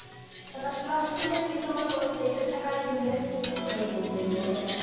私は趣味で吹奏楽をしている社会人です。